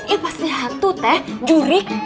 iya pasti hantu teh jurik